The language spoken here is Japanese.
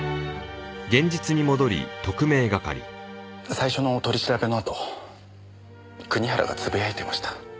最初の取り調べのあと国原がつぶやいてました。